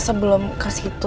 sebelum ke situ